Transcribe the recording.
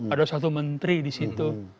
ada satu menteri disitu